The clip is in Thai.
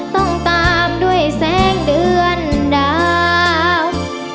ต้องตามด้วยแสงเดือนดาบ